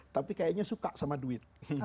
tapi kayaknya suka sama duit